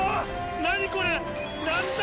何これ！